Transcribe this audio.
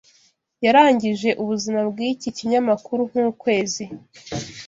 yarangije ubuzima bwiki kinyamakuru nkukwezi